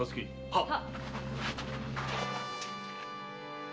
はっ！